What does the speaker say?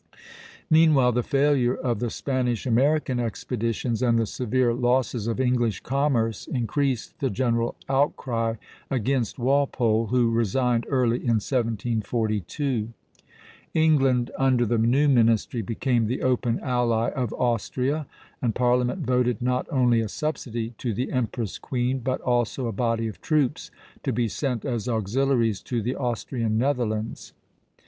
Meanwhile the failure of the Spanish American expeditions and the severe losses of English commerce increased the general outcry against Walpole, who resigned early in 1742. England under the new ministry became the open ally of Austria; and Parliament voted not only a subsidy to the empress queen, but also a body of troops to be sent as auxiliaries to the Austrian Netherlands.